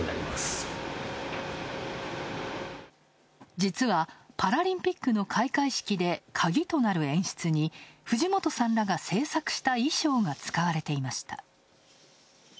実は、パラリンピックの開会式でカギとなる演出に、藤本さんらが製作した衣装が使われていました。